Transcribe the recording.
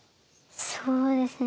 そうですね。